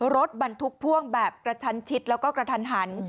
รถบรรทุกพ่วงแบบกระชันชิดแล้วก็กระทันหัน